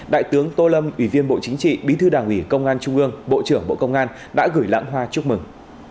đại tướng tô lâm ủy viên bộ chính trị bí thư đảng ủy công an trung ương bộ trưởng bộ công an đã gửi lãng hoa chúc mừng